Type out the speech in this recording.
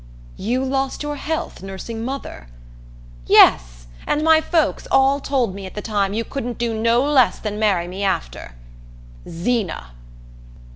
"You lost your health nursing mother?" "Yes; and my folks all told me at the time you couldn't do no less than marry me after " "Zeena!"